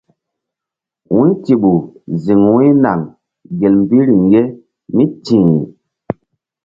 Wu̧y Tiɓu ziŋ Wu̧ynaŋ gel mbí riŋ ye mí ti̧h.